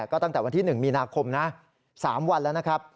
ก็ตั้งแต่วันที่๑มีนาคมนะ๓วันแล้วนะครับ